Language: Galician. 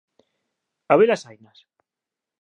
Habelas hainas